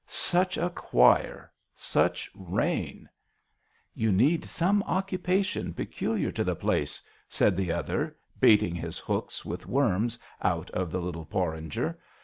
Such a choir ! such rain !" "You need some occupation peculiar to the place," said the other, baiting his hooks with worms out of the little porringer.